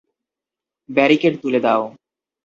Barricade তুলে দাও।